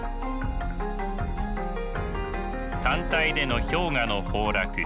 寒帯での氷河の崩落。